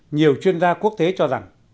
nhiều chuyên gia quốc tế cho rằng